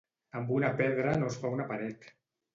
Amb una pedra no es fa una paret.